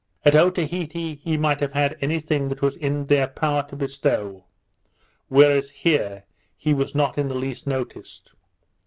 At Otaheite he might have had any thing that was in their power to bestow; whereas here he was not in the least noticed.